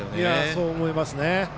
そう思いますね。